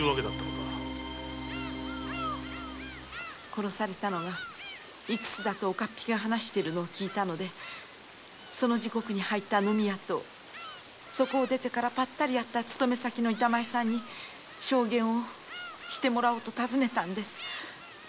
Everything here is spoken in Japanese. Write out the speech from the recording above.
殺されたのが五つだと岡っ引が話しているのを聞いたのでその時刻に入った飲み屋とそこを出てばったり会った勤め先の板前さんに証言してもらおうと訪ねたんです。